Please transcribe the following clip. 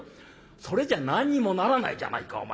「それじゃ何にもならないじゃないかお前。